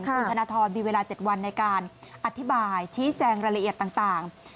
คุณธนทรมีเวลา๗วันในการอธิบายชี้แจงรายละเอียดต่าง